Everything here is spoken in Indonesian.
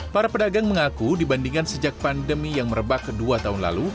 para pedagang mengaku dibandingkan sejak pandemi yang merebak kedua tahun lalu